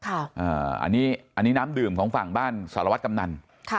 อันนี้น้ำดื่มของฝั่งบ้านหญ้าสารวัดกำนัลค่ะ